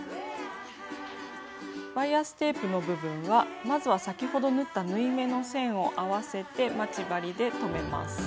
バイアステープの部分はまずは先ほど縫った縫い目の線を合わせて待ち針で留めます。